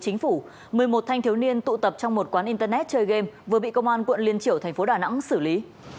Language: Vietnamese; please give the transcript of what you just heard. chính phủ một mươi một thanh thiếu niên tụ tập trong một quán internet chơi game vừa bị công an quận liên triểu thành phố đà nẵng xử lý